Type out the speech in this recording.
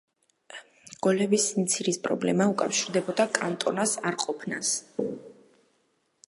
გოლების სიმცირის პრობლემა უკავშირდებოდა კანტონას არყოფნას.